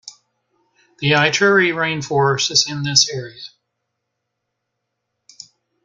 The Ituri Rainforest is in this area.